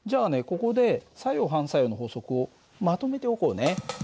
ここで作用・反作用の法則をまとめておこうね。